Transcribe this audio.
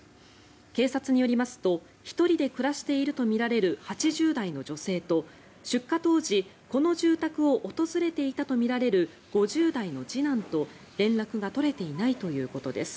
警察によりますと１人で暮らしているとみられる８０代の女性と出火当時この住宅を訪れていたとみられる５０代の次男と連絡が取れていないということです。